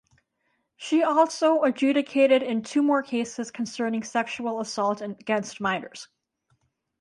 She also adjudicated in two more cases concerning sexual assault against minors.